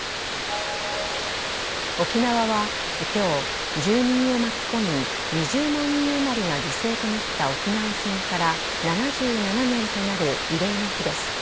沖縄は、今日住民を巻き込み２０万人あまりが犠牲となった沖縄戦から７７年となる慰霊の日です。